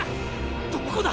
どこだ？